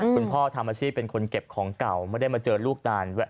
คุณพ่อทำอาชีพเป็นคนเก็บของเก่าไม่ได้มาเจอลูกนาน